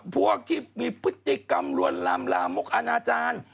พวกที่มีพฤติกรรมลวนลามลามกอนาจารย์